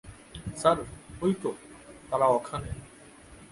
Sir, ওই তো, তারা ওখানে।